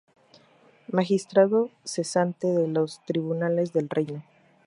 Magistrado cesante de los Tribunales del Reino.